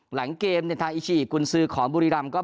หลังเกมเนทาอิชอีกคุณซือของบุรีรำก็บอกว่า